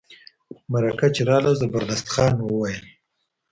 مرکه چي راغله زبردست خان ته وویل.